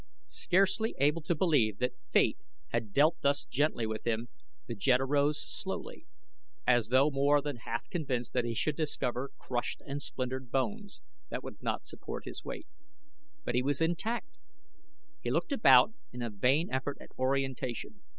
Scarcely able to believe that Fate had dealt thus gently with him, the jed arose slowly, as though more than half convinced that he should discover crushed and splintered bones that would not support his weight. But he was intact. He looked about him in a vain effort at orientation.